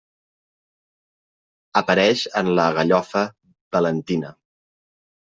Apareix en la gallofa valentina.